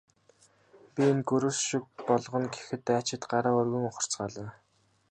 Би энэ гөрөөс шиг болгоно гэхэд дайчид гараа өргөн ухарцгаалаа.